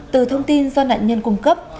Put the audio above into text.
từ thông tin do nạn nhân cung cấp